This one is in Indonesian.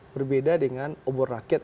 berbeda dengan obor rakyat